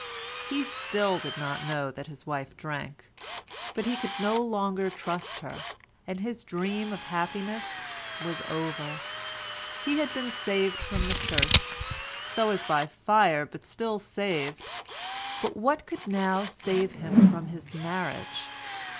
He still did not know that his wife drank, but he could no longer trust her, and his dream of happiness was over. He had been saved from the Church—so as by fire, but still saved—but what could now save him from his marriage?